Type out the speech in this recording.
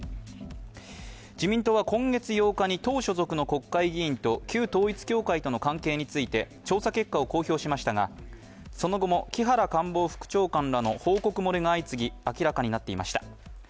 自民党は今月８日に党所属の国会議員と旧統一教会との関係について調査結果を公表しましたが、その後も木原官房副長官らの報告漏れが相次ぎ、明らかになっていました。